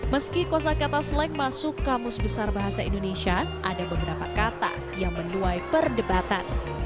meski kosa kata slang masuk kamus besar bahasa indonesia ada beberapa kata yang menuai perdebatan